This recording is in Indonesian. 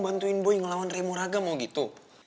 bantuin boy ngelawan remuraga mau gitu